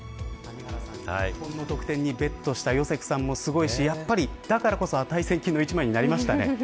日本のゴールにベットしたヨセクさんもすごいですしだからこそ値千金の一枚になりましたね。